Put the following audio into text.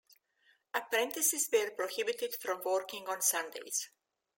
Apprentices were prohibited from working on Sundays.